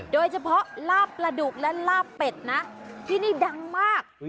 โดยเฉพาะลาบปลาดุกและลาบเป็ดนะที่นี่ดังมาก